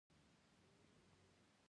که ستاسو کارونه نورو ته دا انګېزه ورکړي.